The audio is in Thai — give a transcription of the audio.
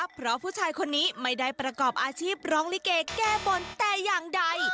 เพราะผู้ชายคนนี้ไม่ได้ประกอบอาชีพร้องลิเกแก้บนแต่อย่างใด